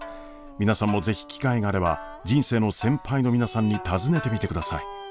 皆さんも是非機会があれば人生の先輩の皆さんに尋ねてみてください。